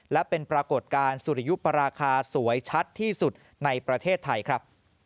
และเป็นปรากฏการณ์สุริยุปราคาสวยชัดที่สุดในประเทศไทยครับ